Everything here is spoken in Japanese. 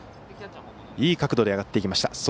いい角度で上がっていきました。